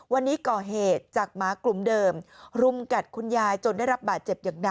วันนี้ก่อเหตุจากหมากลุ่มเดิมรุมกัดคุณยายจนได้รับบาดเจ็บอย่างหนัก